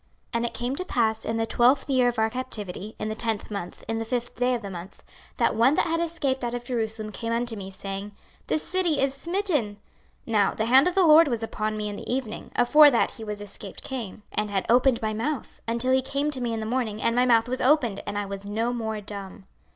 26:033:021 And it came to pass in the twelfth year of our captivity, in the tenth month, in the fifth day of the month, that one that had escaped out of Jerusalem came unto me, saying, The city is smitten. 26:033:022 Now the hand of the LORD was upon me in the evening, afore he that was escaped came; and had opened my mouth, until he came to me in the morning; and my mouth was opened, and I was no more dumb.